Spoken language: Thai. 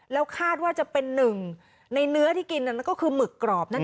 แล้วคาดว่าจะเป็นหนึ่งในเนื้อที่กินนั่นก็คือหมึกกรอบนั่นเอง